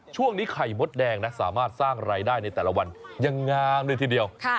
ช่วงนี้ไข่มดแดงนะสามารถสร้างรายได้ในแต่ละวันยังงามเลยทีเดียว